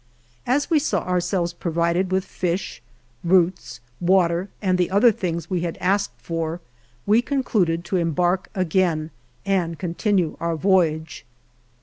As we saw ourselves provided with fish, roots, water and the other things we had asked for, we concluded to embark again and continue our voyage.